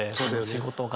仕事が。